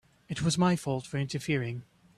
It was my fault for interfering.